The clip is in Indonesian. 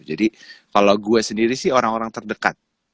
jadi kalau gue sendiri sih orang orang terdekat